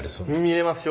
見れますよ。